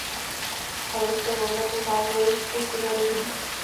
Alois Kalvoda pocházel z chudé rodiny.